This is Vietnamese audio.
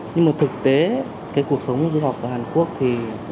nhưng mà thực tế cái cuộc sống du học ở hàn quốc thì